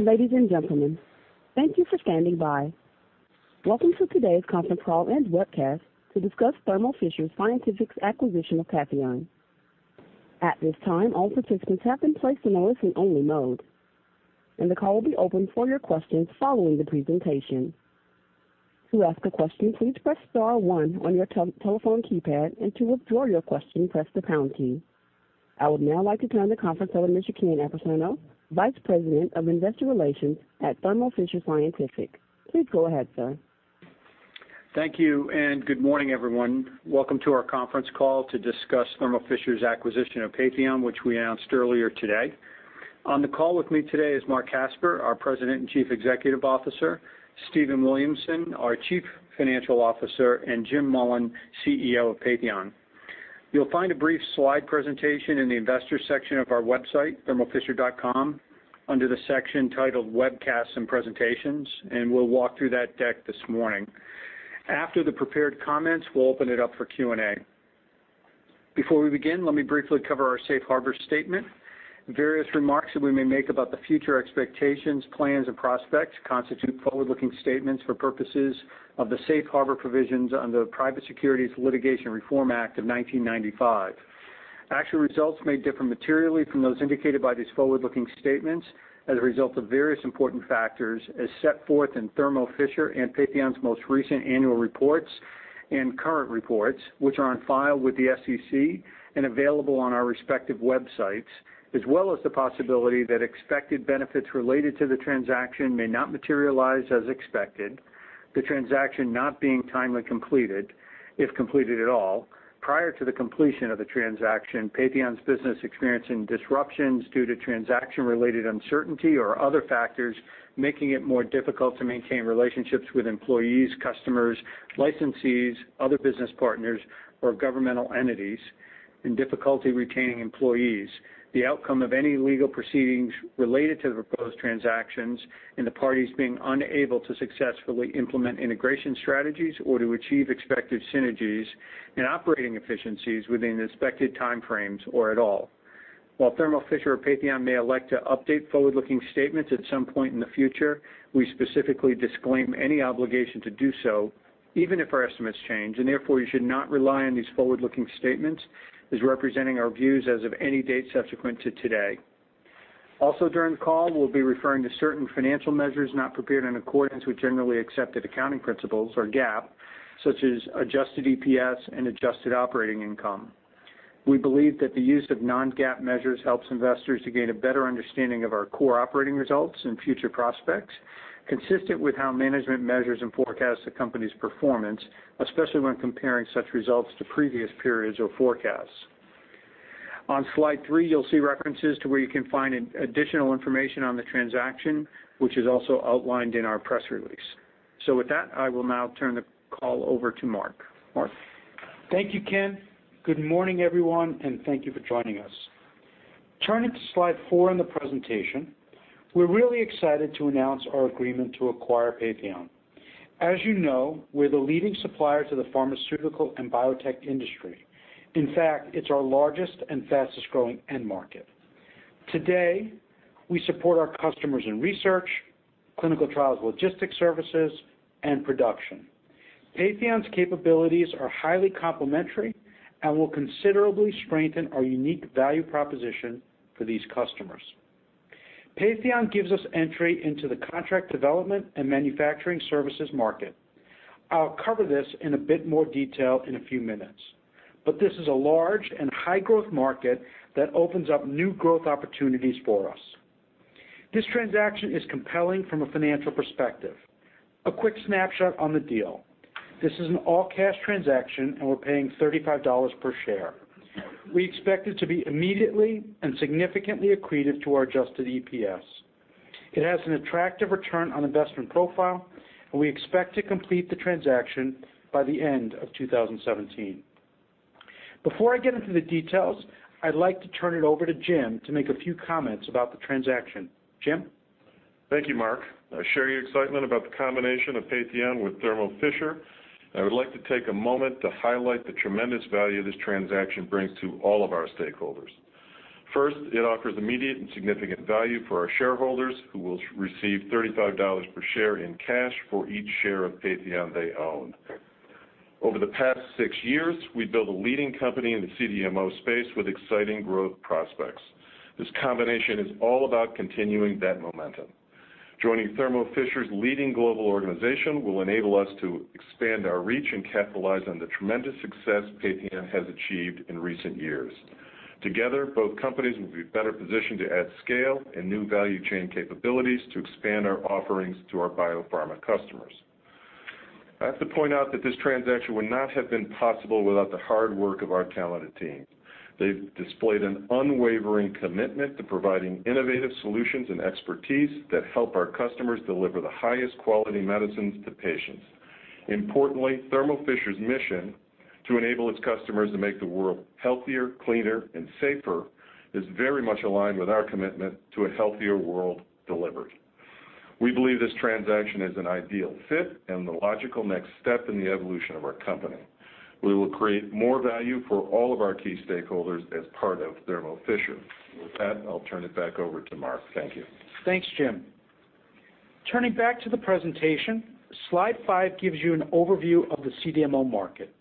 Ladies and gentlemen, thank you for standing by. Welcome to today's conference call and webcast to discuss Thermo Fisher Scientific's acquisition of Patheon. At this time, all participants have been placed in a listen-only mode, and the call will be open for your questions following the presentation. To ask a question, please press star one on your telephone keypad, and to withdraw your question, press the pound key. I would now like to turn the conference over to Ken Apicerno, Vice President of Investor Relations at Thermo Fisher Scientific. Please go ahead, sir. Thank you. Good morning, everyone. Welcome to our conference call to discuss Thermo Fisher's acquisition of Patheon, which we announced earlier today. On the call with me today is Marc Casper, our President and Chief Executive Officer, Stephen Williamson, our Chief Financial Officer, and Jim Mullen, CEO of Patheon. You'll find a brief slide presentation in the investor section of our website, thermofisher.com, under the section titled Webcasts and Presentations. We'll walk through that deck this morning. After the prepared comments, we'll open it up for Q&A. Before we begin, let me briefly cover our safe harbor statement. Various remarks that we may make about the future expectations, plans, and prospects constitute forward-looking statements for purposes of the safe harbor provisions under the Private Securities Litigation Reform Act of 1995. Actual results may differ materially from those indicated by these forward-looking statements as a result of various important factors as set forth in Thermo Fisher and Patheon's most recent annual reports and current reports, which are on file with the SEC and available on our respective websites, as well as the possibility that expected benefits related to the transaction may not materialize as expected, the transaction not being timely completed, if completed at all. Prior to the completion of the transaction, Patheon's business experiencing disruptions due to transaction-related uncertainty or other factors, making it more difficult to maintain relationships with employees, customers, licensees, other business partners, or governmental entities, and difficulty retaining employees, the outcome of any legal proceedings related to the proposed transactions, and the parties being unable to successfully implement integration strategies or to achieve expected synergies and operating efficiencies within the expected time frames or at all. While Thermo Fisher or Patheon may elect to update forward-looking statements at some point in the future, we specifically disclaim any obligation to do so, even if our estimates change. Therefore, you should not rely on these forward-looking statements as representing our views as of any date subsequent to today. Also, during the call, we'll be referring to certain financial measures not prepared in accordance with generally accepted accounting principles or GAAP, such as adjusted EPS and adjusted operating income. We believe that the use of non-GAAP measures helps investors to gain a better understanding of our core operating results and future prospects, consistent with how management measures and forecasts the company's performance, especially when comparing such results to previous periods or forecasts. On slide three, you'll see references to where you can find additional information on the transaction, which is also outlined in our press release. With that, I will now turn the call over to Marc. Marc? Thank you, Ken. Good morning, everyone, and thank you for joining us. Turning to slide four in the presentation, we're really excited to announce our agreement to acquire Patheon. As you know, we're the leading supplier to the pharmaceutical and biotech industry. In fact, it's our largest and fastest-growing end market. Today, we support our customers in research, clinical trials logistics services, and production. Patheon's capabilities are highly complementary and will considerably strengthen our unique value proposition for these customers. Patheon gives us entry into the contract development and manufacturing services market. I'll cover this in a bit more detail in a few minutes, but this is a large and high-growth market that opens up new growth opportunities for us. This transaction is compelling from a financial perspective. A quick snapshot on the deal. This is an all-cash transaction, and we're paying $35 per share. We expect it to be immediately and significantly accretive to our adjusted EPS. It has an attractive return on investment profile, and we expect to complete the transaction by the end of 2017. Before I get into the details, I'd like to turn it over to Jim to make a few comments about the transaction. Jim? Thank you, Marc. I share your excitement about the combination of Patheon with Thermo Fisher. I would like to take a moment to highlight the tremendous value this transaction brings to all of our stakeholders. First, it offers immediate and significant value for our shareholders, who will receive $35 per share in cash for each share of Patheon they own. Over the past six years, we've built a leading company in the CDMO space with exciting growth prospects. This combination is all about continuing that momentum. Joining Thermo Fisher's leading global organization will enable us to expand our reach and capitalize on the tremendous success Patheon has achieved in recent years. Together, both companies will be better positioned to add scale and new value chain capabilities to expand our offerings to our biopharma customers. I have to point out that this transaction would not have been possible without the hard work of our talented team. They've displayed an unwavering commitment to providing innovative solutions and expertise that help our customers deliver the highest quality medicines to patients. Importantly, Thermo Fisher's mission to enable its customers to make the world healthier, cleaner, and safer is very much aligned with our commitment to a healthier world delivered. We believe this transaction is an ideal fit and the logical next step in the evolution of our company. We will create more value for all of our key stakeholders as part of Thermo Fisher. With that, I'll turn it back over to Marc. Thank you. Thanks, Jim. Turning back to the presentation, slide five gives you an overview of the CDMO market.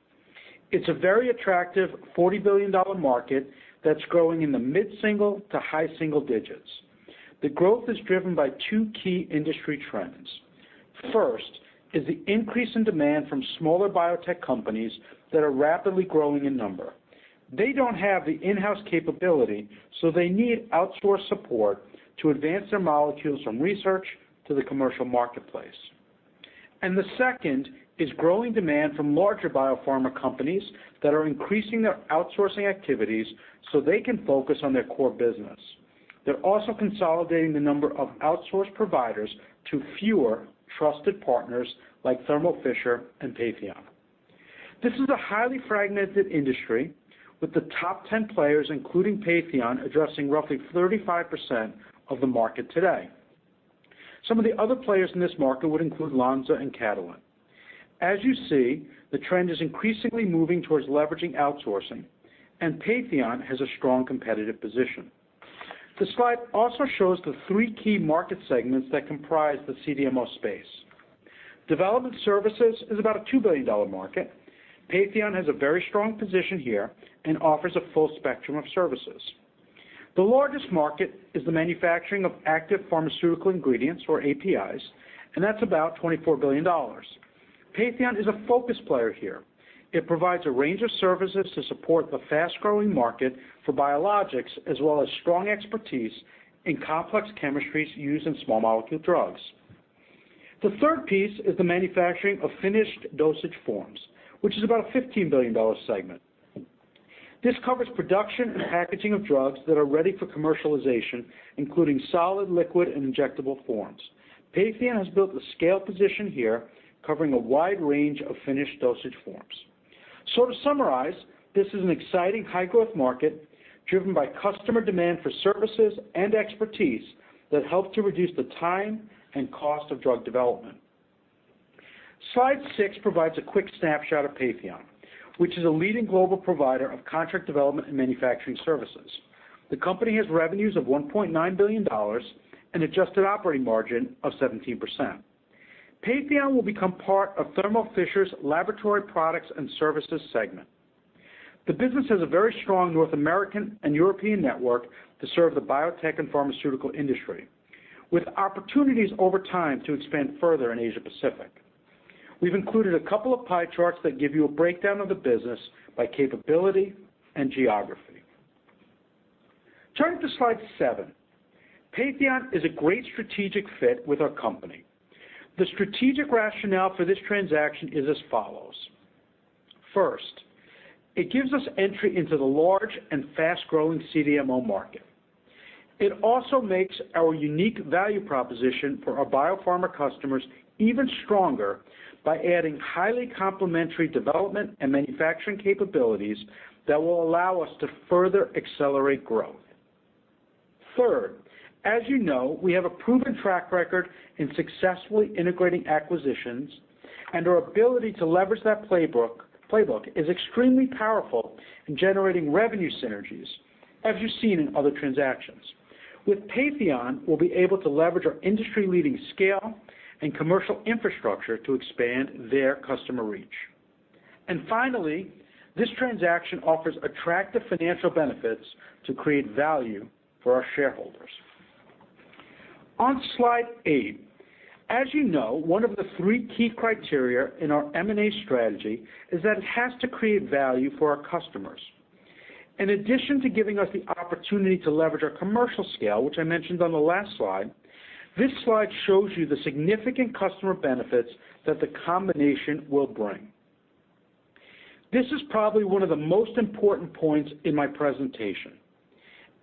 It's a very attractive $40 billion market that's growing in the mid-single to high single digits. The growth is driven by two key industry trends. First is the increase in demand from smaller biotech companies that are rapidly growing in number. They don't have the in-house capability, so they need outsourced support to advance their molecules from research to the commercial marketplace. The second is growing demand from larger biopharma companies that are increasing their outsourcing activities so they can focus on their core business. They're also consolidating the number of outsourced providers to fewer trusted partners like Thermo Fisher and Patheon. This is a highly fragmented industry, with the top 10 players, including Patheon, addressing roughly 35% of the market today. Some of the other players in this market would include Lonza and Catalent. As you see, the trend is increasingly moving towards leveraging outsourcing, and Patheon has a strong competitive position. The slide also shows the three key market segments that comprise the CDMO space. Development services is about a $2 billion market. Patheon has a very strong position here and offers a full spectrum of services. The largest market is the manufacturing of active pharmaceutical ingredients, or APIs, and that's about $24 billion. Patheon is a focus player here. It provides a range of services to support the fast-growing market for biologics, as well as strong expertise in complex chemistries used in small molecule drugs. The third piece is the manufacturing of finished dosage forms, which is about a $15 billion segment. This covers production and packaging of drugs that are ready for commercialization, including solid, liquid, and injectable forms. Patheon has built a scale position here covering a wide range of finished dosage forms. To summarize, this is an exciting high-growth market driven by customer demand for services and expertise that help to reduce the time and cost of drug development. Slide six provides a quick snapshot of Patheon, which is a leading global provider of contract development and manufacturing services. The company has revenues of $1.9 billion and adjusted operating margin of 17%. Patheon will become part of Thermo Fisher's laboratory products and services segment. The business has a very strong North American and European network to serve the biotech and pharmaceutical industry, with opportunities over time to expand further in Asia Pacific. We've included a couple of pie charts that give you a breakdown of the business by capability and geography. Turning to slide seven. Patheon is a great strategic fit with our company. The strategic rationale for this transaction is as follows. First, it gives us entry into the large and fast-growing CDMO market. It also makes our unique value proposition for our biopharma customers even stronger by adding highly complementary development and manufacturing capabilities that will allow us to further accelerate growth. Third, as you know, we have a proven track record in successfully integrating acquisitions, and our ability to leverage that playbook is extremely powerful in generating revenue synergies, as you've seen in other transactions. With Patheon, we'll be able to leverage our industry-leading scale and commercial infrastructure to expand their customer reach. Finally, this transaction offers attractive financial benefits to create value for our shareholders. On slide eight, as you know, one of the three key criteria in our M&A strategy is that it has to create value for our customers. In addition to giving us the opportunity to leverage our commercial scale, which I mentioned on the last slide, this slide shows you the significant customer benefits that the combination will bring. This is probably one of the most important points in my presentation.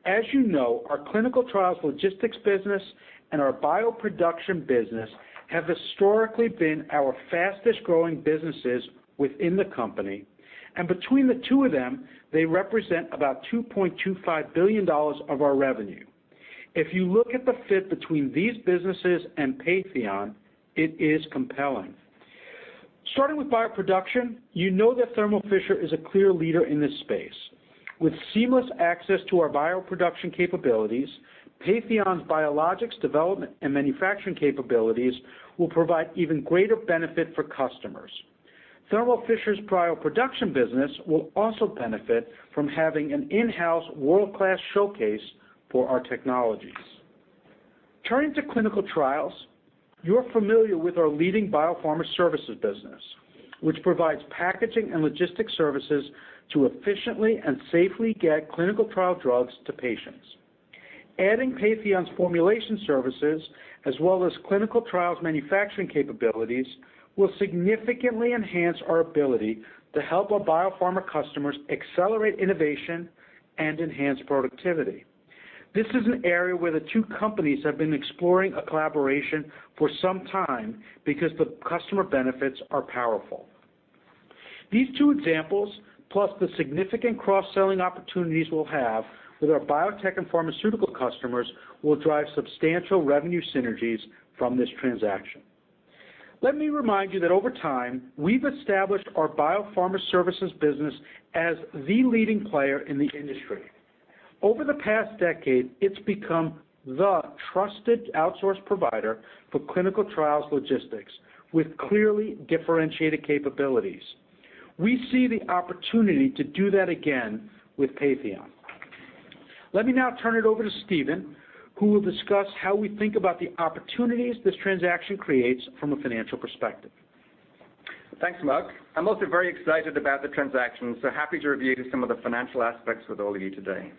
As you know, our clinical trials logistics business and our bioproduction business have historically been our fastest-growing businesses within the company, and between the two of them, they represent about $2.25 billion of our revenue. If you look at the fit between these businesses and Patheon, it is compelling. Starting with bioproduction, you know that Thermo Fisher is a clear leader in this space. With seamless access to our bioproduction capabilities, Patheon's biologics development and manufacturing capabilities will provide even greater benefit for customers. Thermo Fisher's bioproduction business will also benefit from having an in-house world-class showcase for our technologies. Turning to clinical trials, you're familiar with our leading Biopharma Services business, which provides packaging and logistics services to efficiently and safely get clinical trial drugs to patients. Adding Patheon's formulation services as well as clinical trials manufacturing capabilities will significantly enhance our ability to help our biopharma customers accelerate innovation and enhance productivity. This is an area where the two companies have been exploring a collaboration for some time because the customer benefits are powerful. These two examples, plus the significant cross-selling opportunities we'll have with our biotech and pharmaceutical customers, will drive substantial revenue synergies from this transaction. Let me remind you that over time, we've established our Biopharma Services business as the leading player in the industry. Over the past decade, it's become the trusted outsource provider for clinical trials logistics with clearly differentiated capabilities. We see the opportunity to do that again with Patheon. Let me now turn it over to Stephen, who will discuss how we think about the opportunities this transaction creates from a financial perspective. Thanks, Marc. I'm also very excited about the transaction, happy to review some of the financial aspects with all of you today.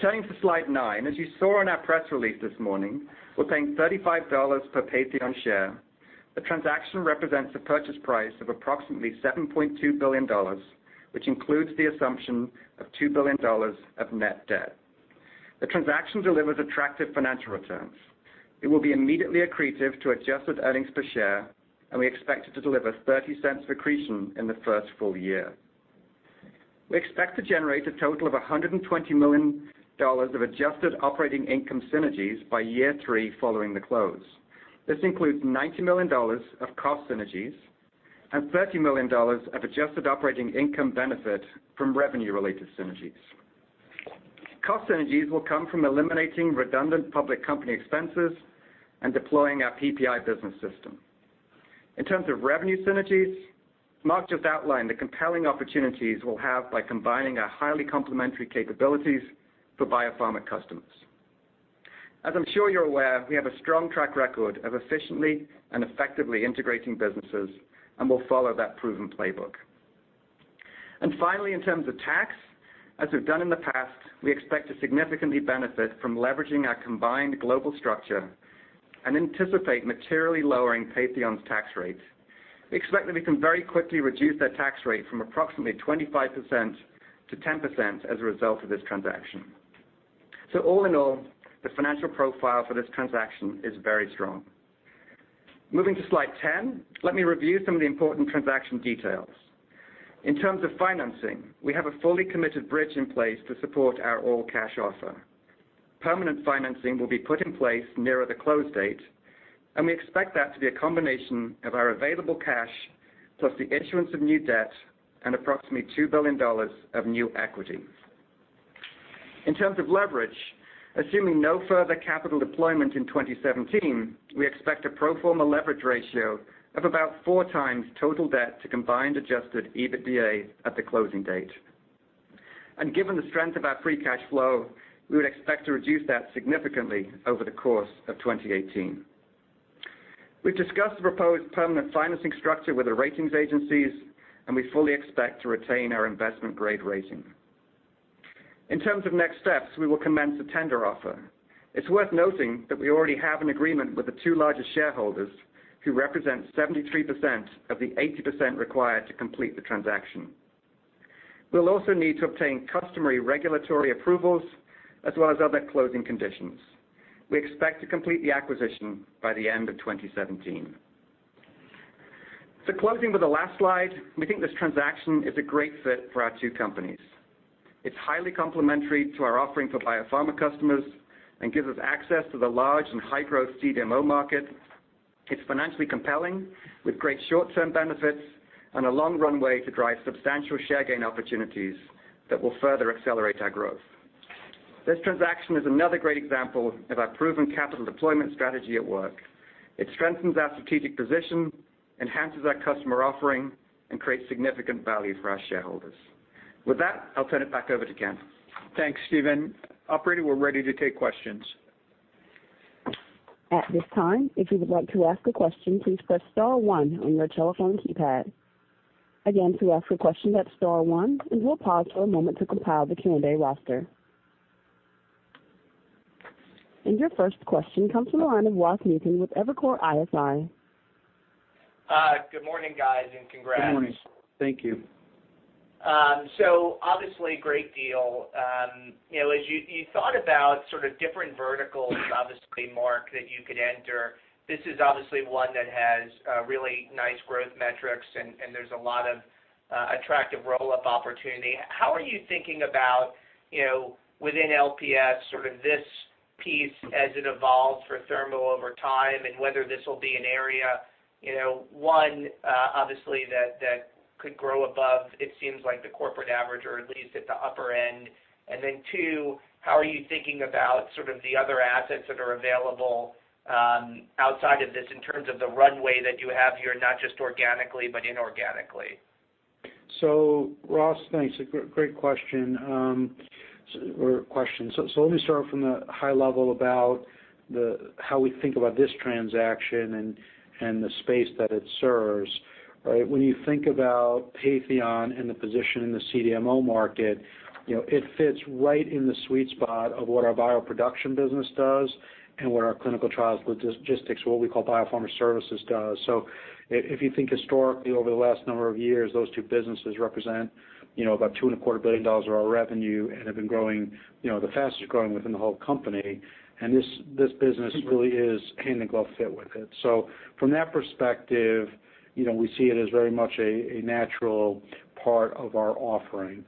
Turning to slide nine, as you saw in our press release this morning, we're paying $35 per Patheon share. The transaction represents a purchase price of approximately $7.2 billion, which includes the assumption of $2 billion of net debt. The transaction delivers attractive financial returns. It will be immediately accretive to adjusted earnings per share, and we expect it to deliver $0.30 accretion in the first full year. We expect to generate a total of $120 million of adjusted operating income synergies by year three following the close. This includes $90 million of cost synergies and $30 million of adjusted operating income benefit from revenue-related synergies. Cost synergies will come from eliminating redundant public company expenses and deploying our PPI business system. In terms of revenue synergies, Marc just outlined the compelling opportunities we'll have by combining our highly complementary capabilities for biopharma customers. As I'm sure you're aware, we have a strong track record of efficiently and effectively integrating businesses, we'll follow that proven playbook. Finally, in terms of tax, as we've done in the past, we expect to significantly benefit from leveraging our combined global structure and anticipate materially lowering Patheon's tax rates. We expect that we can very quickly reduce their tax rate from approximately 25% to 10% as a result of this transaction. All in all, the financial profile for this transaction is very strong. Moving to slide 10, let me review some of the important transaction details. In terms of financing, we have a fully committed bridge in place to support our all-cash offer. Permanent financing will be put in place nearer the close date, we expect that to be a combination of our available cash plus the issuance of new debt and approximately $2 billion of new equity. In terms of leverage, assuming no further capital deployment in 2017, we expect a pro forma leverage ratio of about four times total debt to combined adjusted EBITDA at the closing date. Given the strength of our free cash flow, we would expect to reduce that significantly over the course of 2018. We've discussed the proposed permanent financing structure with the ratings agencies, and we fully expect to retain our investment-grade rating. In terms of next steps, we will commence a tender offer. It's worth noting that we already have an agreement with the two largest shareholders who represent 73% of the 80% required to complete the transaction. We'll also need to obtain customary regulatory approvals as well as other closing conditions. We expect to complete the acquisition by the end of 2017. Closing with the last slide, we think this transaction is a great fit for our two companies. It's highly complementary to our offering for biopharma customers and gives us access to the large and high-growth CDMO market. It's financially compelling with great short-term benefits and a long runway to drive substantial share gain opportunities that will further accelerate our growth. This transaction is another great example of our proven capital deployment strategy at work. It strengthens our strategic position, enhances our customer offering, and creates significant value for our shareholders. With that, I'll turn it back over to Ken. Thanks, Stephen. Operator, we're ready to take questions. At this time, if you would like to ask a question, please press star one on your telephone keypad. Again, to ask a question, that's star one, we'll pause for a moment to compile the Q&A roster. Your first question comes from the line of Ross Muken with Evercore ISI. Good morning, guys, congrats. Good morning. Thank you. Great deal. As you thought about sort of different verticals, obviously, Marc, that you could enter, this is obviously one that has really nice growth metrics and there's a lot of attractive roll-up opportunity. How are you thinking about within LPS, sort of this piece as it evolves for Thermo over time and whether this will be an area, one, obviously, that could grow above, it seems like the corporate average or at least at the upper end. Two, how are you thinking about sort of the other assets that are available outside of this in terms of the runway that you have here, not just organically, but inorganically? Ross, thanks. A great question. Let me start from the high level about how we think about this transaction and the space that it serves, right? When you think about Patheon and the position in the CDMO market, it fits right in the sweet spot of what our bioproduction business does and what our clinical trials logistics, what we call Biopharma Services, does. If you think historically over the last number of years, those two businesses represent about $2.25 billion of our revenue and have been the fastest-growing within the whole company. This business really is hand-in-glove fit with it. From that perspective, we see it as very much a natural part of our offering.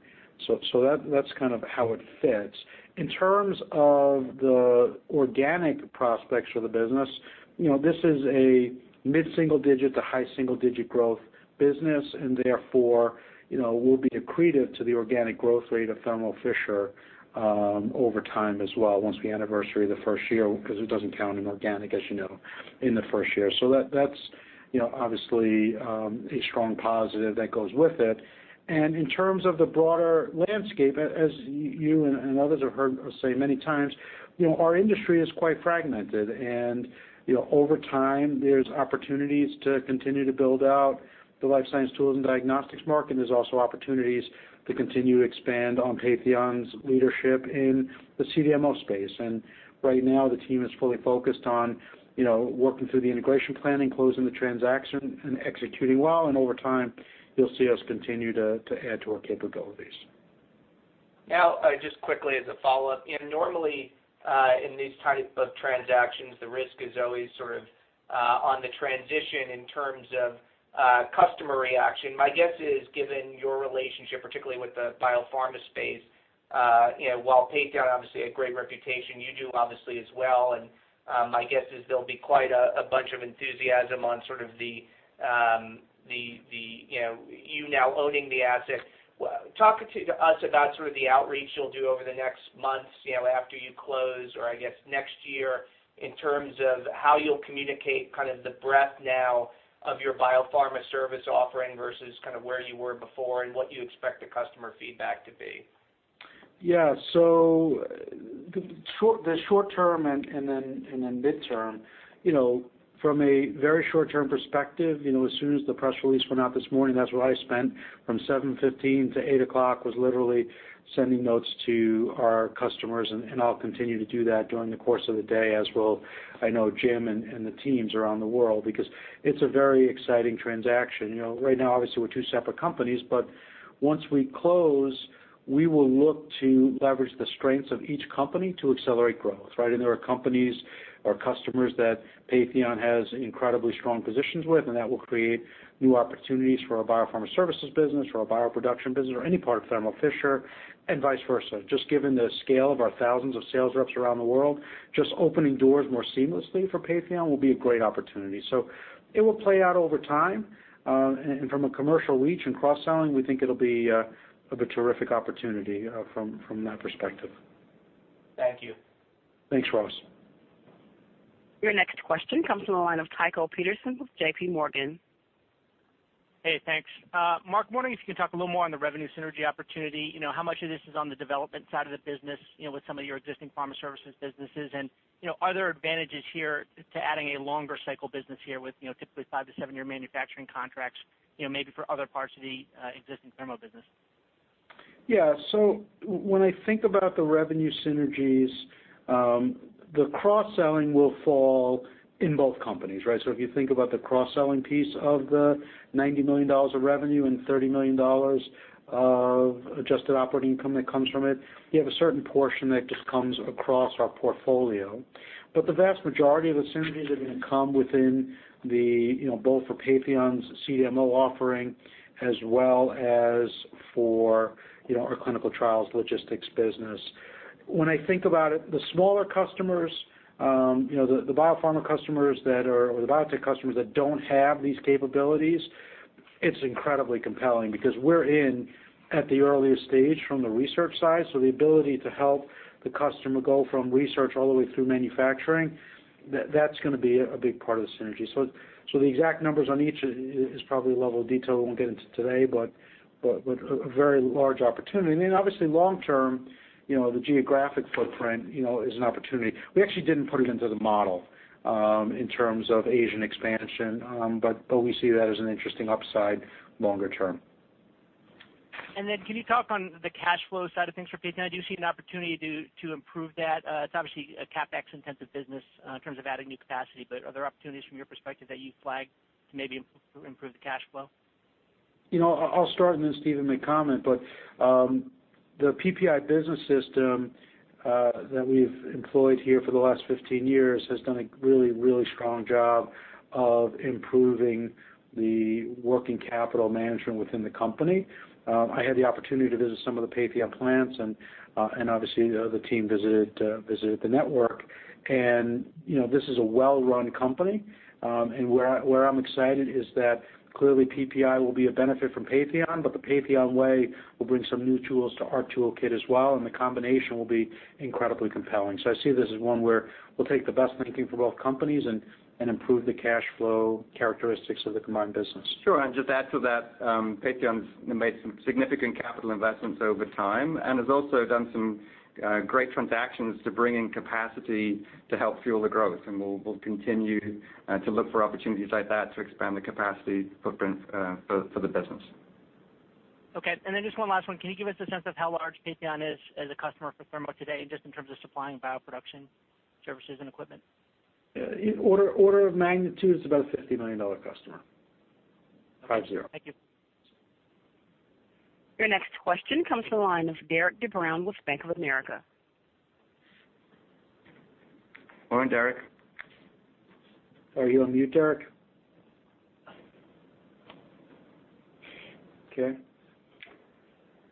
That's kind of how it fits. In terms of the organic prospects for the business, this is a mid-single digit to high single-digit growth business, and therefore, will be accretive to the organic growth rate of Thermo Fisher over time as well once we anniversary the first year, because it doesn't count in organic, as you know, in the first year. That's obviously a strong positive that goes with it. In terms of the broader landscape, as you and others have heard us say many times, our industry is quite fragmented and over time, there's opportunities to continue to build out the life science tools and diagnostics market, and there's also opportunities to continue to expand on Patheon's leadership in the CDMO space. Right now, the team is fully focused on working through the integration plan and closing the transaction, and executing well, and over time, you'll see us continue to add to our capabilities. Just quickly as a follow-up. Normally, in these type of transactions, the risk is always on the transition in terms of customer reaction. My guess is, given your relationship, particularly with the biopharma space, while Patheon obviously a great reputation, you do obviously as well, and my guess is there'll be quite a bunch of enthusiasm on you now owning the asset. Talk to us about the outreach you'll do over the next months, after you close or I guess, next year, in terms of how you'll communicate the breadth now of your Biopharma Services offering versus where you were before and what you expect the customer feedback to be. Yeah. The short term and then midterm. From a very short-term perspective, as soon as the press release went out this morning, that's what I spent from 7:15 to 8:00 was literally sending notes to our customers, and I'll continue to do that during the course of the day as well, I know Jim and the teams around the world, because it's a very exciting transaction. Right now, obviously, we're two separate companies, but once we close, we will look to leverage the strengths of each company to accelerate growth, right? There are companies or customers that Patheon has incredibly strong positions with, and that will create new opportunities for our Biopharma Services business, for our bioproduction business or any part of Thermo Fisher and vice versa. Just given the scale of our thousands of sales reps around the world, just opening doors more seamlessly for Patheon will be a great opportunity. It will play out over time. From a commercial reach and cross-selling, we think it'll be a terrific opportunity from that perspective. Thank you. Thanks, Ross. Your next question comes from the line of Tycho Peterson with J.P. Morgan. Hey, thanks. Marc, wondering if you can talk a little more on the revenue synergy opportunity, how much of this is on the development side of the business, with some of your existing pharma services businesses, and are there advantages here to adding a longer cycle business here with typically 5 to 7-year manufacturing contracts, maybe for other parts of the existing Thermo business? Yeah. When I think about the revenue synergies, the cross-selling will fall in both companies, right? If you think about the cross-selling piece of the $90 million of revenue and $30 million of adjusted operating income that comes from it, you have a certain portion that just comes across our portfolio. The vast majority of the synergies are going to come within both for Patheon's CDMO offering as well as for our clinical trials logistics business. When I think about it, the smaller customers, the biopharma customers or the biotech customers that don't have these capabilities, it's incredibly compelling because we're in at the earliest stage from the research side. The ability to help the customer go from research all the way through manufacturing, that's going to be a big part of the synergy. The exact numbers on each is probably a level of detail we won't get into today, but a very large opportunity. Obviously long term, the geographic footprint is an opportunity. We actually didn't put it into the model, in terms of Asian expansion, but we see that as an interesting upside longer term. Can you talk on the cash flow side of things for Patheon? Do you see an opportunity to improve that? It's obviously a CapEx-intensive business in terms of adding new capacity, but are there opportunities from your perspective that you flag to maybe improve the cash flow? I'll start and then Stephen may comment, but the PPI business system that we've employed here for the last 15 years has done a really strong job of improving the working capital management within the company. I had the opportunity to visit some of the Patheon plants and, obviously, the team visited the network, and this is a well-run company. Where I'm excited is that clearly PPI will be a benefit from Patheon, but the Patheon way will bring some new tools to our toolkit as well, and the combination will be incredibly compelling. I see this as one where we'll take the best thinking for both companies and improve the cash flow characteristics of the combined business. Sure. Just add to that, Patheon's made some significant capital investments over time and has also done some great transactions to bring in capacity to help fuel the growth. We'll continue to look for opportunities like that to expand the capacity footprint for the business. Okay, then just one last one. Can you give us a sense of how large Patheon is as a customer for Thermo today, just in terms of supplying bioproduction services and equipment? Order of magnitude is about a $50 million customer. 50. Okay. Thank you. Your next question comes from the line of Derik de Bruin with Bank of America. Morning, Derik. Are you on mute, Derik? Okay.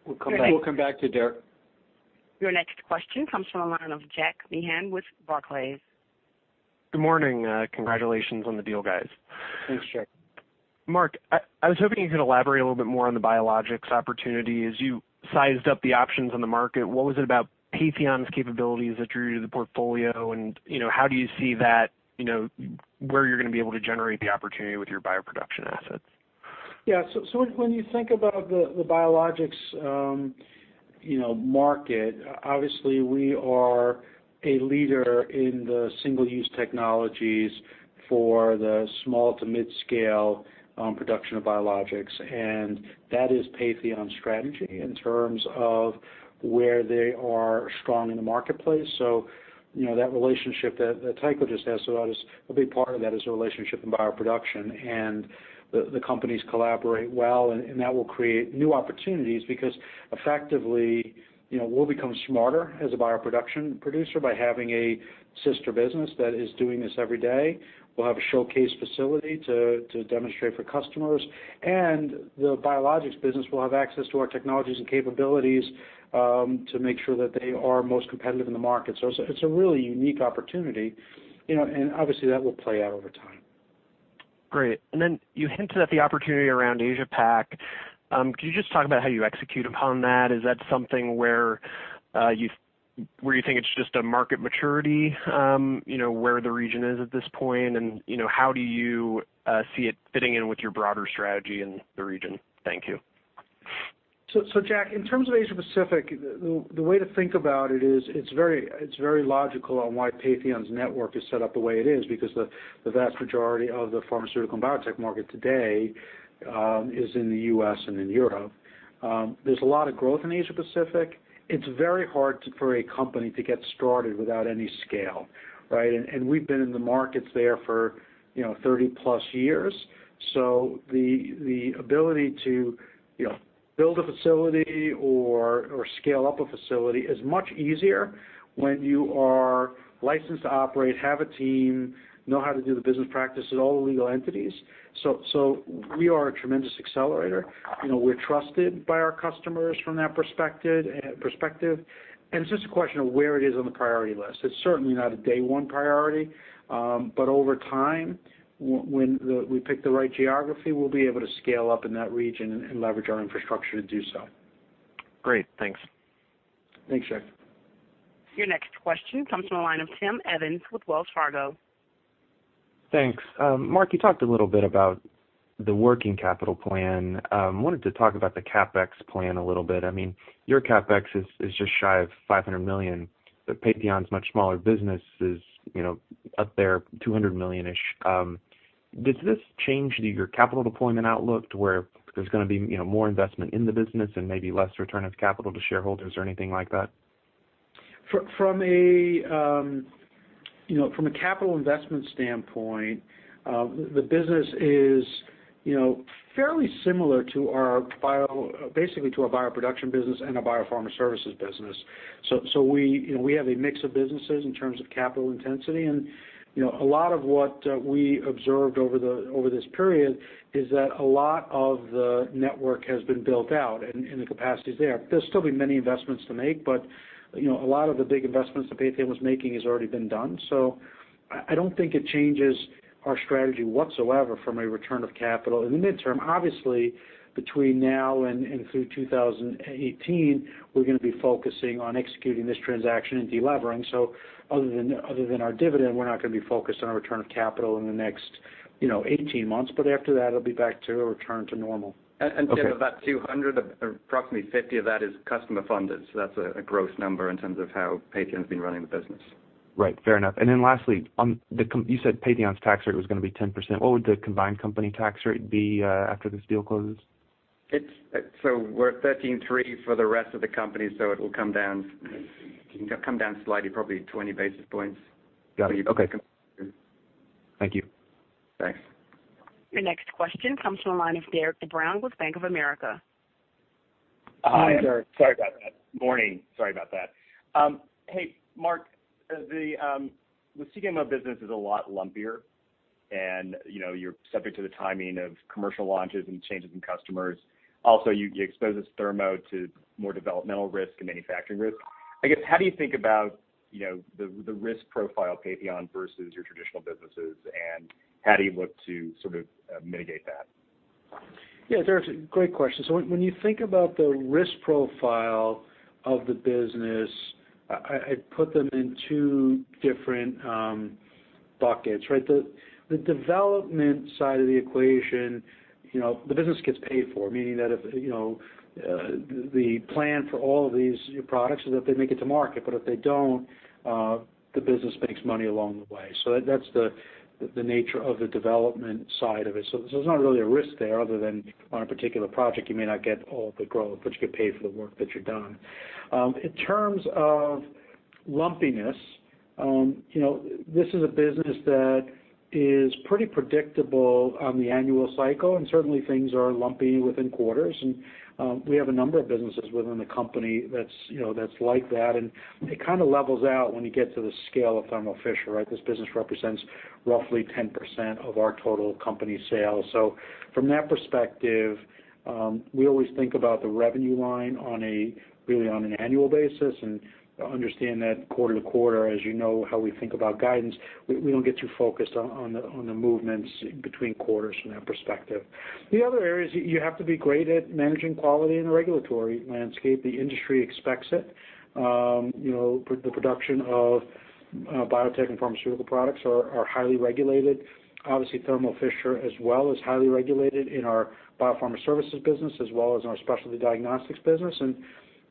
We'll come back to you, Derik. Your next question comes from the line of Jack Meehan with Barclays. Good morning. Congratulations on the deal, guys. Thanks, Jack. Marc, I was hoping you could elaborate a little bit more on the biologics opportunity. As you sized up the options on the market, what was it about Patheon's capabilities that drew you to the portfolio, and how do you see where you're going to be able to generate the opportunity with your bioproduction assets? Yeah. When you think about the biologics market, obviously we are a leader in the single-use technologies for the small to mid-scale production of biologics, and that is Patheon's strategy in terms of where they are strong in the marketplace. That relationship that Tycho just has, a big part of that is the relationship in bioproduction. The companies collaborate well, and that will create new opportunities because effectively, we'll become smarter as a bioproduction producer by having a sister business that is doing this every day. We'll have a showcase facility to demonstrate for customers, and the biologics business will have access to our technologies and capabilities to make sure that they are most competitive in the market. It's a really unique opportunity, and obviously, that will play out over time. Great. Then you hinted at the opportunity around Asia Pac. Could you just talk about how you execute upon that? Is that something where you think it's just a market maturity, where the region is at this point? How do you see it fitting in with your broader strategy in the region? Thank you. Jack, in terms of Asia Pacific, the way to think about it is, it's very logical on why Patheon's network is set up the way it is, because the vast majority of the pharmaceutical and biotech market today is in the U.S. and in Europe. There's a lot of growth in Asia Pacific. It's very hard for a company to get started without any scale, right? We've been in the markets there for 30 plus years. The ability to build a facility or scale up a facility is much easier when you are licensed to operate, have a team, know how to do the business practice at all the legal entities. We are a tremendous accelerator. We're trusted by our customers from that perspective. It's just a question of where it is on the priority list. It's certainly not a day one priority. Over time, when we pick the right geography, we'll be able to scale up in that region and leverage our infrastructure to do so. Great. Thanks. Thanks, Jack. Your next question comes from the line of Tim Evans with Wells Fargo. Thanks. Marc, you talked a little bit about the working capital plan. I wanted to talk about the CapEx plan a little bit. Your CapEx is just shy of $500 million, but Patheon's much smaller business is up there, $200 million-ish. Does this change your capital deployment outlook to where there's going to be more investment in the business and maybe less return of capital to shareholders or anything like that? From a capital investment standpoint, the business is fairly similar, basically, to our bioproduction business and our Biopharma Services business. We have a mix of businesses in terms of capital intensity. A lot of what we observed over this period is that a lot of the network has been built out and the capacity is there. There'll still be many investments to make, but a lot of the big investments that Patheon was making has already been done. I don't think it changes our strategy whatsoever from a return of capital in the midterm. Obviously, between now and through 2018, we're going to be focusing on executing this transaction and de-levering. Other than our dividend, we're not going to be focused on our return of capital in the next 18 months, but after that, it'll be back to a return to normal. Okay. Tim, of that $200, approximately $50 of that is customer funded. That's a gross number in terms of how Patheon's been running the business. Right. Fair enough. Lastly, you said Patheon's tax rate was going to be 10%. What would the combined company tax rate be after this deal closes? We're at 13.3 for the rest of the company. It'll come down slightly, probably 20 basis points. Got it. Okay. Thank you. Thanks. Your next question comes from the line of Derik de Bruin with Bank of America. Hi, Derik. Sorry about that. Morning. Sorry about that. Hey, Marc. The CDMO business is a lot lumpier, you're subject to the timing of commercial launches and changes in customers. Also, it exposes Thermo to more developmental risk and manufacturing risk. I guess, how do you think about the risk profile of Patheon versus your traditional businesses, and how do you look to sort of mitigate that? Yeah, Derik, great question. When you think about the risk profile of the business, I put them in two different buckets, right? The development side of the equation, the business gets paid for, meaning that if the plan for all of these products is that they make it to market, if they don't, the business makes money along the way. That's the nature of the development side of it. There's not really a risk there other than on a particular project, you may not get all the growth, but you get paid for the work that you've done. In terms of lumpiness, this is a business that is pretty predictable on the annual cycle. Certainly things are lumpy within quarters and we have a number of businesses within the company that's like that, and it levels out when you get to the scale of Thermo Fisher. This business represents roughly 10% of our total company sales. From that perspective, we always think about the revenue line really on an annual basis and understand that quarter to quarter, as you know how we think about guidance, we don't get too focused on the movements between quarters from that perspective. The other areas, you have to be great at managing quality in a regulatory landscape. The industry expects it. The production of biotech and pharmaceutical products are highly regulated. Thermo Fisher as well is highly regulated in our Biopharma Services business, as well as in our specialty diagnostics business.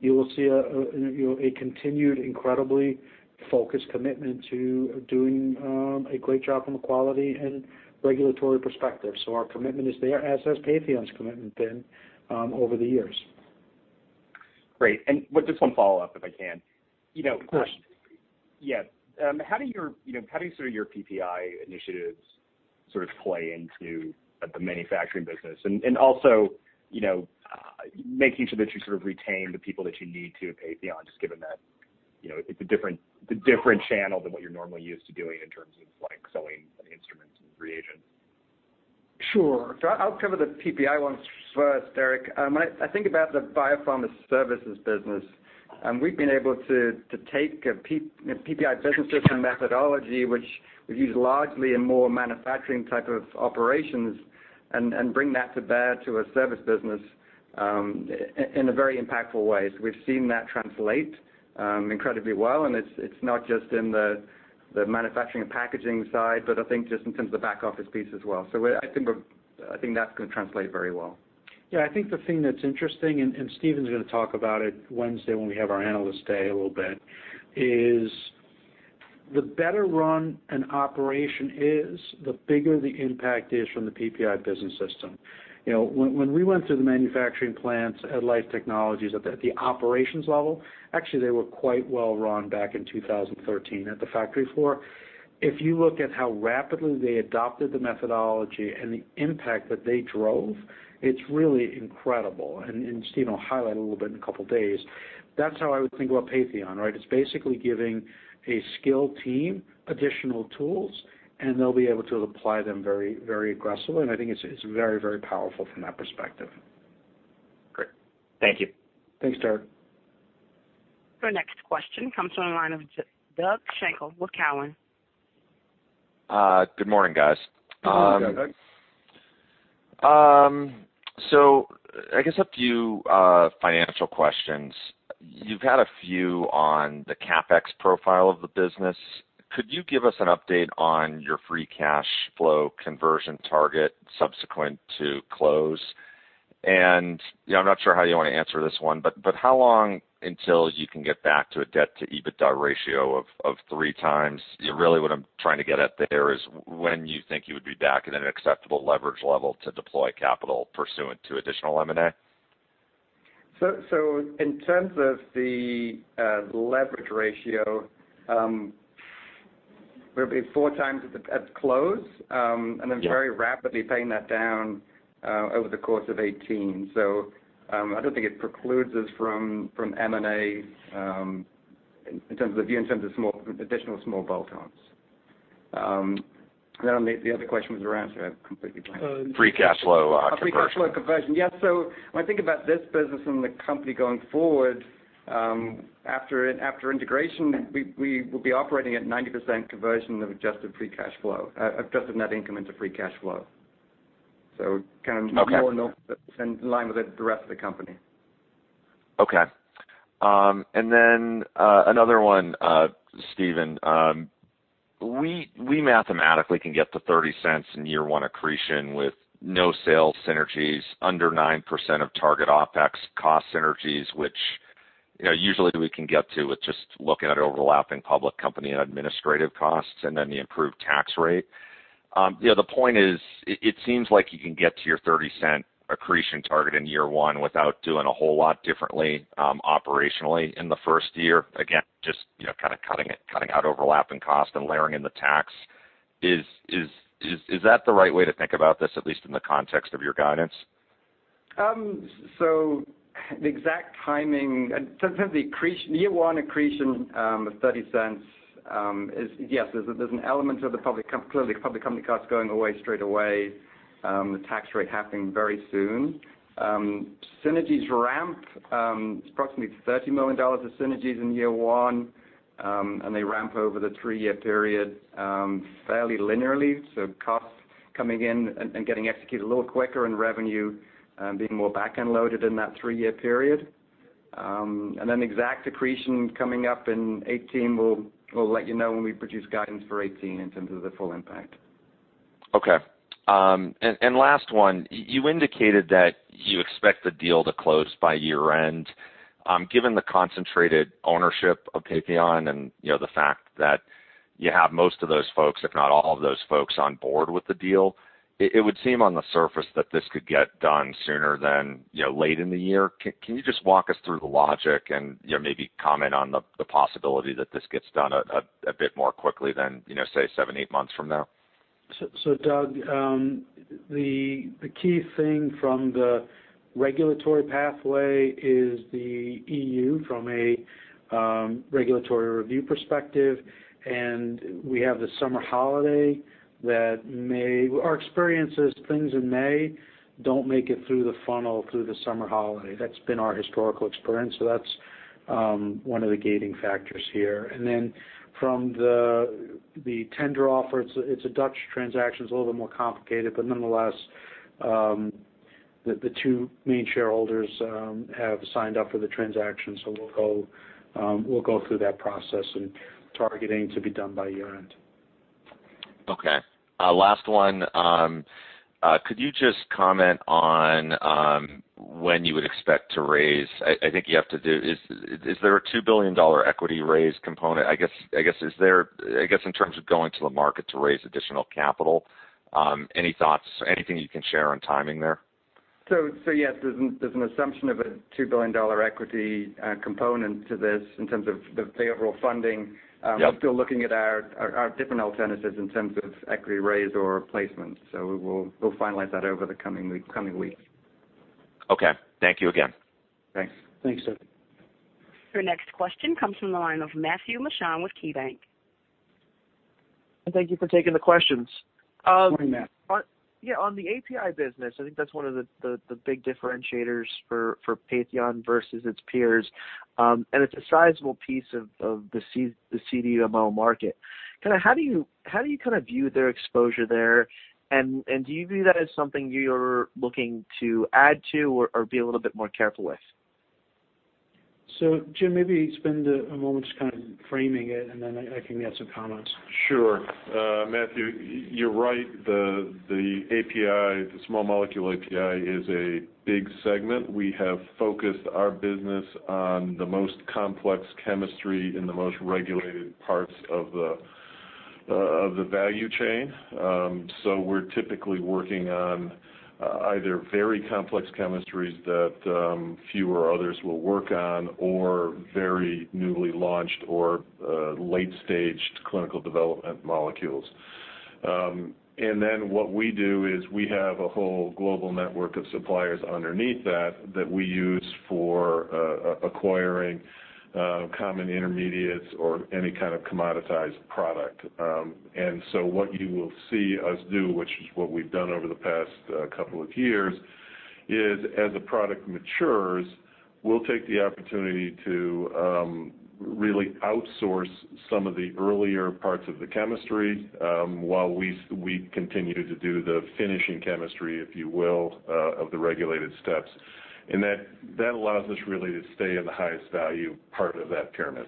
You will see a continued, incredibly focused commitment to doing a great job from a quality and regulatory perspective. Our commitment is there, as has Patheon's commitment been over the years. Great. Just one follow-up, if I can. Of course. How do your PPI initiatives play into the manufacturing business? Also, making sure that you retain the people that you need to at Patheon, just given that it's a different channel than what you're normally used to doing in terms of selling instruments and reagents. Sure. I'll cover the PPI one first, Derik. When I think about the Biopharma Services business, we've been able to take a PPI business system methodology, which we've used largely in more manufacturing type of operations, and bring that to bear to a service business in a very impactful way. We've seen that translate incredibly well, and it's not just in the manufacturing and packaging side, but I think just in terms of the back office piece as well. I think that's going to translate very well. I think the thing that's interesting, Stephen's going to talk about it Wednesday when we have our Analyst Day a little bit, is the better run an operation is, the bigger the impact is from the PPI business system. When we went through the manufacturing plants at Life Technologies at the operations level, actually they were quite well run back in 2013 at the factory floor. If you look at how rapidly they adopted the methodology and the impact that they drove, it's really incredible. Stephen will highlight a little bit in a couple of days. That's how I would think about Patheon. It's basically giving a skilled team additional tools, they'll be able to apply them very aggressively, I think it's very powerful from that perspective. Great. Thank you. Thanks, Derik. Our next question comes from the line of Doug Schenkel with Cowen. Good morning, guys. Good morning, Doug. I guess a few financial questions. You've had a few on the CapEx profile of the business. Could you give us an update on your free cash flow conversion target subsequent to close? I'm not sure how you want to answer this one, but how long until you can get back to a debt-to-EBITDA ratio of three times? Really what I'm trying to get at there is when you think you would be back at an acceptable leverage level to deploy capital pursuant to additional M&A. In terms of the leverage ratio, we'll be four times at close. Yeah Very rapidly paying that down over the course of 2018. I don't think it precludes us from M&A in terms of additional small bolt-ons. The other question was around, so I've completely blanked. Free cash flow conversion. Free cash flow conversion. When I think about this business and the company going forward, after integration, we will be operating at 90% conversion of adjusted free cash flow, adjusted net income into free cash flow. Okay more in line with the rest of the company. Okay. Another one, Stephen. We mathematically can get to $0.30 in year one accretion with no sales synergies, under 9% of target OpEx cost synergies, which usually we can get to with just looking at overlapping public company and administrative costs and then the improved tax rate. The point is, it seems like you can get to your $0.30 accretion target in year one without doing a whole lot differently operationally in the first year. Again, just cutting out overlapping cost and layering in the tax. Is that the right way to think about this, at least in the context of your guidance? The exact timing, in terms of the year one accretion of $0.30, yes, there's an element of the public company costs going away straight away, the tax rate happening very soon. Synergies ramp, approximately $30 million of synergies in year one, and they ramp over the three-year period fairly linearly. Costs coming in and getting executed a little quicker and revenue being more back-end loaded in that three-year period. Exact accretion coming up in 2018, we'll let you know when we produce guidance for 2018 in terms of the full impact. Okay. Last one, you indicated that you expect the deal to close by year-end. Given the concentrated ownership of Patheon and the fact that you have most of those folks, if not all of those folks, on board with the deal, it would seem on the surface that this could get done sooner than late in the year. Can you just walk us through the logic and maybe comment on the possibility that this gets done a bit more quickly than, say, seven, eight months from now? Doug, the key thing from the regulatory pathway is the E.U. from a regulatory review perspective, our experience is things in May don't make it through the funnel through the summer holiday. That's been our historical experience, that's one of the gating factors here. From the tender offer, it's a Dutch transaction. It's a little bit more complicated, but nonetheless, the two main shareholders have signed up for the transaction. We'll go through that process and targeting to be done by year-end. Okay. Last one. Could you just comment on when you would expect to raise, I think you have to do, is there a $2 billion equity raise component? I guess, in terms of going to the market to raise additional capital, any thoughts, anything you can share on timing there? Yes, there's an assumption of a $2 billion equity component to this in terms of the overall funding. Yep. We're still looking at our different alternatives in terms of equity raise or placement. We'll finalize that over the coming week. Okay. Thank you again. Thanks. Thanks, Doug. Your next question comes from the line of Matthew Michon with KeyBank. Thank you for taking the questions. Morning, Matthew. Yeah. On the API business, I think that's one of the big differentiators for Patheon versus its peers. It's a sizable piece of the CDMO market. How do you view their exposure there? Do you view that as something you're looking to add to or be a little bit more careful with? Jim, maybe spend a moment just framing it, I can add some comments. Sure. Matthew, you're right. The small molecule API is a big segment. We have focused our business on the most complex chemistry in the most regulated parts of the value chain. We're typically working on either very complex chemistries that few or others will work on or very newly launched or late-stage clinical development molecules. What we do is we have a whole global network of suppliers underneath that we use for acquiring common intermediates or any kind of commoditized product. What you will see us do, which is what we've done over the past couple of years, is as a product matures, we'll take the opportunity to really outsource some of the earlier parts of the chemistry, while we continue to do the finishing chemistry, if you will, of the regulated steps. That allows us really to stay in the highest value part of that pyramid.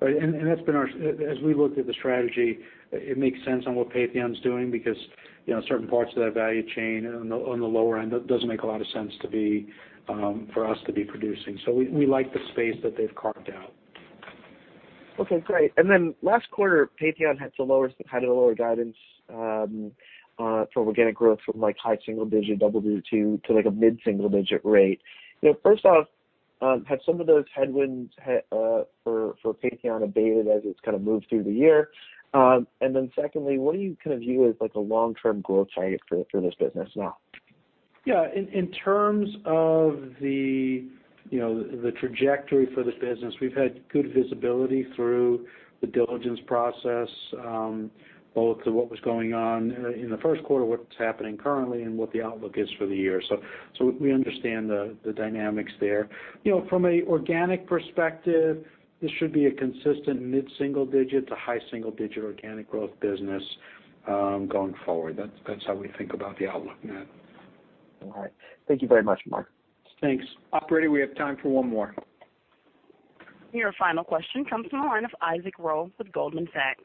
Right. As we looked at the strategy, it makes sense on what Patheon's doing because certain parts of that value chain on the lower end doesn't make a lot of sense for us to be producing. We like the space that they've carved out. Okay, great. Then last quarter, Patheon had to lower some kind of the lower guidance for organic growth from high single digit to a mid-single digit rate. First off, have some of those headwinds for Patheon abated as it's moved through the year? Then secondly, what do you view as a long-term growth target for this business now? Yeah. In terms of the trajectory for this business, we've had good visibility through the diligence process, both to what was going on in the first quarter, what's happening currently, and what the outlook is for the year. We understand the dynamics there. From an organic perspective, this should be a consistent mid-single digit to high single digit organic growth business going forward. That's how we think about the outlook, Matt. All right. Thank you very much, Marc. Thanks. Operator, we have time for one more. Your final question comes from the line of Isaac Ro with Goldman Sachs.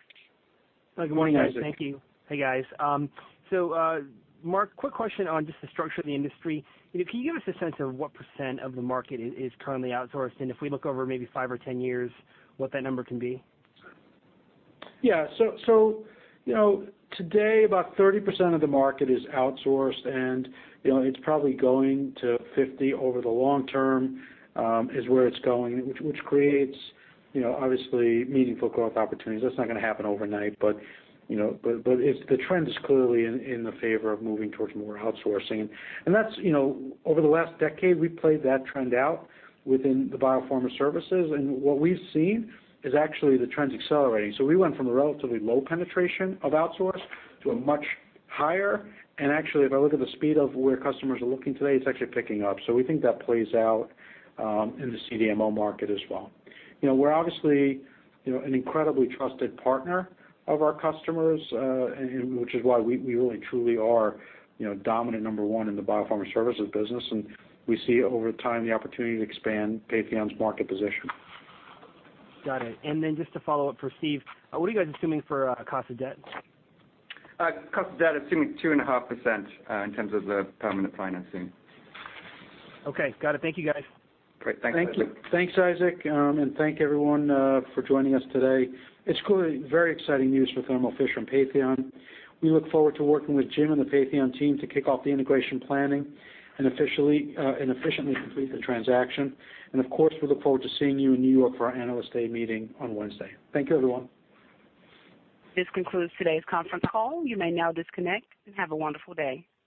Good morning, guys. Thank you. Hey, guys. Marc, quick question on just the structure of the industry. Can you give us a sense of what % of the market is currently outsourced? And if we look over maybe five or 10 years, what that number can be? Yeah. Today, about 30% of the market is outsourced, and it's probably going to 50% over the long term, is where it's going, which creates obviously meaningful growth opportunities. That's not going to happen overnight, but the trend is clearly in the favor of moving towards more outsourcing. Over the last decade, we've played that trend out within the Biopharma Services. What we've seen is actually the trends accelerating. We went from a relatively low penetration of outsource to a much higher, and actually if I look at the speed of where customers are looking today, it's actually picking up. We think that plays out in the CDMO market as well. We're obviously an incredibly trusted partner of our customers, which is why we really truly are dominant number 1 in the Biopharma Services business, and we see over time the opportunity to expand Patheon's market position. Got it. Just to follow up for Steve, what are you guys assuming for cost of debt? Cost of debt assuming 2.5% in terms of the permanent financing. Okay. Got it. Thank you, guys. Great. Thanks, Isaac. Thanks, Isaac, and thank everyone for joining us today. It is clearly very exciting news for Thermo Fisher and Patheon. We look forward to working with Jim and the Patheon team to kick off the integration planning and efficiently complete the transaction. Of course, we look forward to seeing you in New York for our Analyst Day meeting on Wednesday. Thank you, everyone. This concludes today's conference call. You may now disconnect. Have a wonderful day.